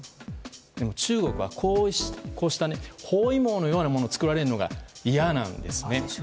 でも中国はこうした包囲網のようなものを作られるのが嫌なんですね。